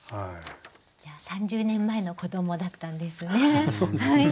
３０年前の子どもだったんですね。